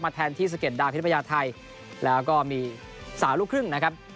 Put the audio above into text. แทนที่สะเด็ดดาวพิทยาไทยแล้วก็มีสาวลูกครึ่งนะครับ